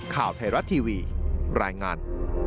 ข่าวไทยรัฐทีวีรายงาน